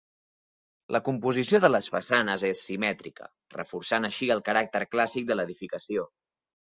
La composició de les façanes és simètrica, reforçant així el caràcter clàssic de l'edificació.